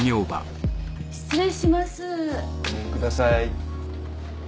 ごめんください。